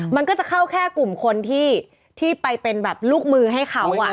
มันก็จะเข้าแค่กลุ่มคนที่ไปเป็นแบบลูกมือให้เขา